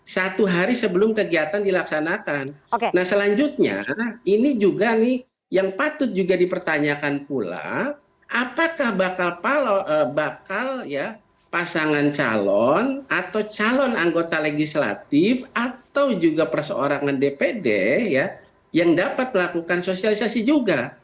satu hari sebelum kegiatan dilaksanakan nah selanjutnya ini juga nih yang patut juga dipertanyakan pula apakah bakal pasangan calon atau calon anggota legislatif atau juga persoarangan dpd yang dapat melakukan sosialisasi juga